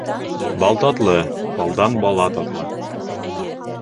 Бал татлы, балдан бала татлы.